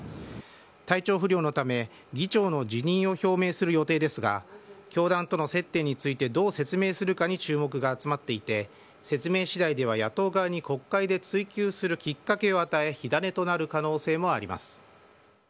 体調不良のため議長の辞任を表明する予定ですが教団との接点についてどう説明するかに注目が集まっていて説明次第では野党側に国会で追及するきっかけを与え火種となる可能性もあります。